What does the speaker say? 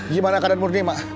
gimana keadaan murni mak